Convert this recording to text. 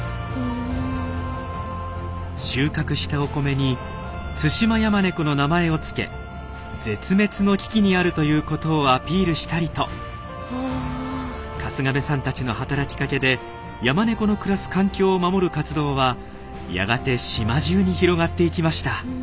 収穫したお米に「ツシマヤマネコ」の名前を付け絶滅の危機にあるということをアピールしたりと春日亀さんたちの働きかけでヤマネコの暮らす環境を守る活動はやがて島じゅうに広がっていきました。